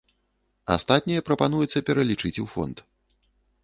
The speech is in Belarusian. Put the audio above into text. Астатняе прапануецца пералічыць у фонд.